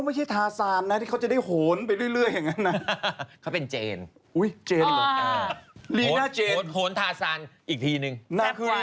โหลทาซานอีกทีนึงใช้ใกล้รีนาเจนโหลทาซานอีกทีนึงแทบไหว